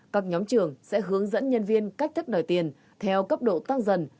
các nhóm trưởng sẽ hướng dẫn nhân viên cách thức đòi tiền theo cấp độ tăng dần